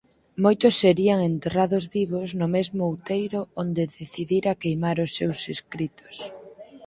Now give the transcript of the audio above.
Moitos serían enterrados vivos no mesmo outeiro onde decidira queimar os seus escritos.